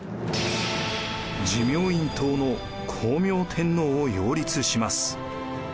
持明院統の光明天皇を擁立します。